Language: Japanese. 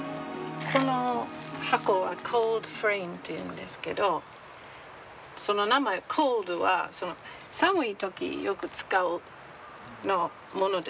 この箱は「コールドフレーム」というんですけどその名前「コールド」は寒い時よく使うものです。